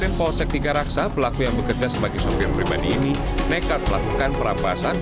dengan polsek tiga raksa pelaku yang bekerja sebagai sopir pribadi ini nekat melakukan perampasan